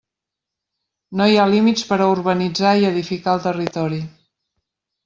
No hi ha límits per a urbanitzar i edificar el territori.